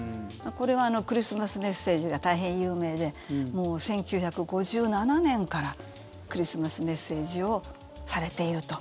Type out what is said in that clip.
これはクリスマスメッセージが大変有名で１９５７年からクリスマスメッセージをされていると。